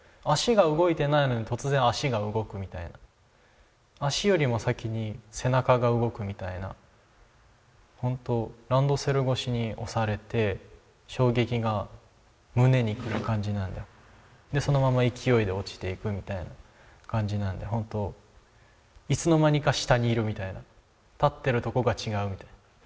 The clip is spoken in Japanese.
足が動いてないのに突然足が動くみたいな足よりも先に背中が動くみたいな本当ランドセル越しに押されて衝撃が胸に来る感じなんでそのまま勢いで落ちていくみたいな感じなんでいつの間にか下にいるみたいな立ってるとこが違うみたいな。